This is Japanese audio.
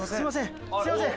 すみません！